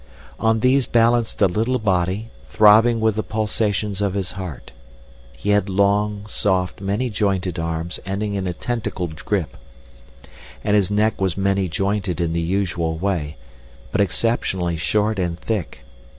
On these balanced a little body, throbbing with the pulsations of his heart. He had long, soft, many jointed arms ending in a tentacled grip, and his neck was many jointed in the usual way, but exceptionally short and thick.